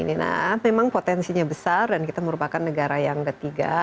nah memang potensinya besar dan kita merupakan negara yang ketiga